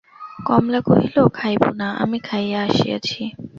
কমলা কহিল, খাইব না, আমি খাইয়া আসিয়াছি।